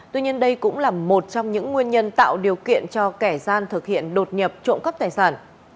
tuy nhiên đây cũng là một trong những nguyên nhân tạo điều kiện cho kẻ gian thực hiện đột nhập trộm cắp tài sản